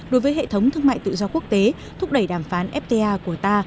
đối với hệ thống thương mại tự do quốc tế thúc đẩy đàm phán fta của ta